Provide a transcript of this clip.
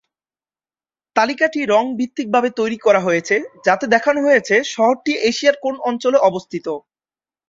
তালিকাটি রং-ভিত্তিক ভাবে তৈরি করা হয়েছে যাতে দেখানো হয়েছে শহরটি এশিয়ার কোন অঞ্চলে অবস্থিত।